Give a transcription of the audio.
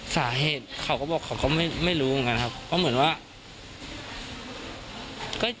สาเหตุเขาก็บอกเขาก็ไม่รู้เหมือนกันครับ